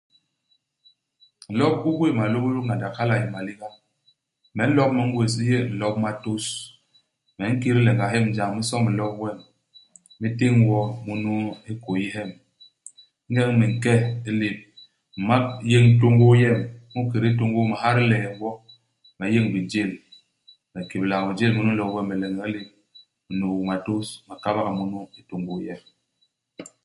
Lop u gwéé malôbôl ngandak. Hala a yé maliga. Me, ilop me ngwés u yé lop u matôs. Me nkit hilenga hyem hi jañ. Me somb nlop wem. Me teñ wo munu i hikôyi hyem. Ingeñ me nke i lép, me ma yéñ tôngôô yem. Mu i kédé tôngôô me ha dilengwo. Me yéñ bijél. Me kéblak bijél munu i nlop wem, me leñek i lép, me nubuk matôs, me kabak munu i tôngôô yem.